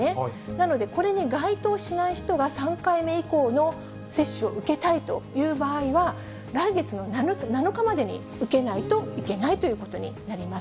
なので、これに該当しない人が３回目以降の接種を受けたいという場合は、来月の７日までに受けないといけないということになります。